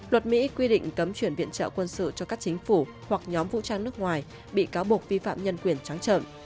luật mỹ quy định cấm chuyển viện trợ quân sự cho các chính phủ hoặc nhóm vũ trang nước ngoài bị cáo buộc vi phạm nhân quyền trắng chậm